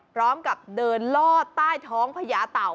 พร้อมกับเดินลอดใต้ท้องพญาเต่า